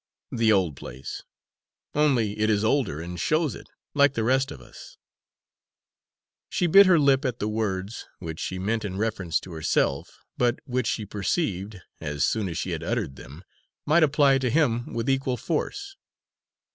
"The old place, only it is older, and shows it like the rest of us." She bit her lip at the words, which she meant in reference to herself, but which she perceived, as soon as she had uttered them, might apply to him with equal force.